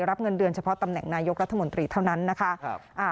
รับเงินเดือนเฉพาะตำแหน่งนายกรัฐมนตรีเท่านั้นนะคะ